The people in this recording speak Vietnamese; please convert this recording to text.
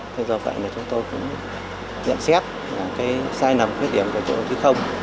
thế do vậy thì chúng tôi cũng dạng xét là cái sai nằm cái điểm của đồng chí không